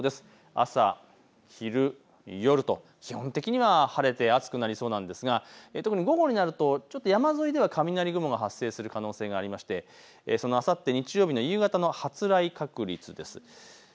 朝昼夜と基本的には晴れて暑くなりそうなんですが、特に午後になるとちょっと山沿いでは雷雲が発生する可能性がありましてあさって日曜日の夕方の発雷確率です。